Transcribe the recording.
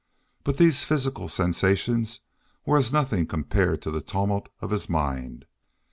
But these physical sensations were as nothing compared to the tumult of his mind.